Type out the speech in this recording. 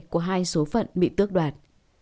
của hai số phận bị tước đoạt